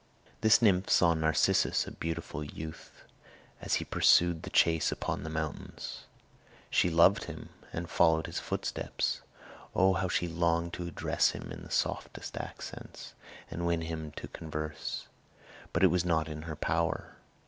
This nymph saw Narcissus, a beautiful youth, as he pursued the chase upon the mountains. She loved him, and followed his footsteps. O how she longed to address him in the softest accents, and win him to converse! but it was not in her power.